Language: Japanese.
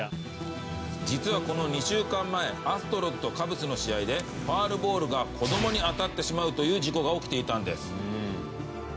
実はこの２週間前アストロズとカブスの試合でファールボールが子どもに当たってしまうという事故が起きていたんです。